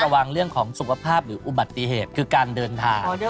ระวังเรื่องของสุขภาพหรืออุบัติเหตุคือการเดินทาง